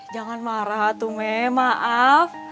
jangan marah atu me maaf